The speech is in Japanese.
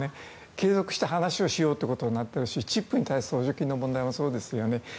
継続して話をしようってことになったしチップに対する補助金に対してもそうですよね。